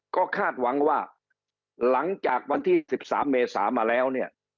ก็คาดหวังว่าหลังจากวันที่๑๓เมษามาแล้วเนี่ย